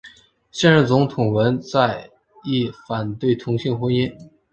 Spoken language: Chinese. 现任总统文在寅反对同性婚姻。